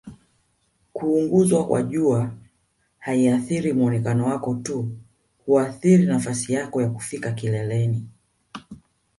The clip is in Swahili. kuunguzwa kwa jua haiathiri muonekano wako tu huathiri nafasai yako ya kufika kileleni